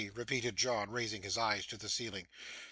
repeated John, raising his eyes to the ceiling.